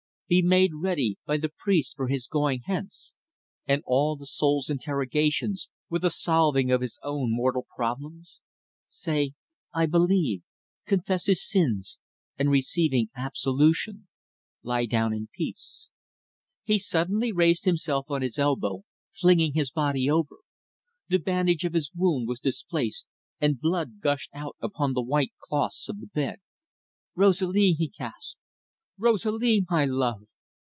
Be made ready by the priest for his going hence end all the soul's interrogations, with the solving of his own mortal problems? Say "I believe," confess his sins, and, receiving absolution, lie down in peace. He suddenly raised himself on his elbow, flinging his body over. The bandage of his wound was displaced, and blood gushed out upon the white clothes of the bed. "Rosalie!" he gasped. "Rosalie, my love!